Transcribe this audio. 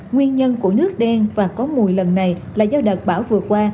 nguyên nhân của nước đen và có mùi lần này là do đợt bão vừa qua